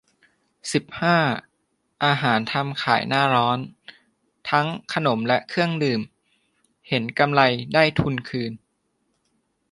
สิบห้า อาหารทำขายหน้าร้อน ทั้งขนมและเครื่องดื่ม เห็นกำไรได้ทุนคืน